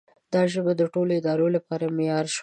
دا ژبه د ټولو ادارو لپاره معیار شوه.